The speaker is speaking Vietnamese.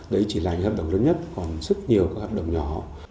đấy chỉ là những hợp đồng lớn nhất còn rất nhiều các hợp đồng nhỏ